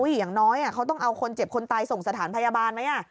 อย่างน้อยเขาต้องเอาคนเจ็บคนตายส่งสถานพยาบาลไหม